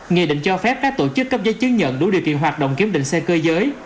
nghị định cho phép các tổ chức cấp giấy chứng nhận đủ điều kiện hoạt động kiểm định xe cơ giới